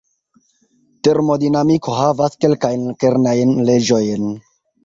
Termodinamiko havas kelkajn kernajn leĝojn.